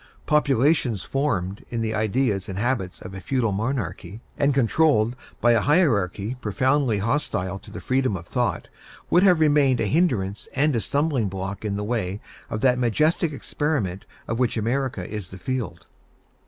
Populations formed in the ideas and habits of a feudal monarchy, and controlled by a hierarchy profoundly hostile to freedom of thought, would have remained a hindrance and a stumbling block in the way of that majestic experiment of which America is the field.